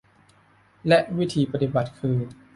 และวิธีปฏิบัติคือ